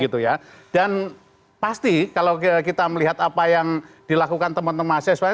pasti kalau kita melihat apa yang dilakukan teman teman mahasiswa